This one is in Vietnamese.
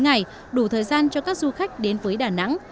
và bốn ngày đủ thời gian cho các du khách đến với đà nẵng